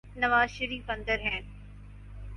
نوازشریف اندر ہیں۔